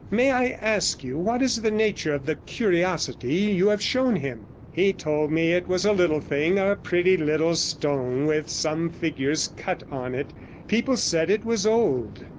May I ask you what is the nature of the curiosity you have shown him?" He told me it was a little thing, a pretty little stone with some figures cut on it: people said it was old.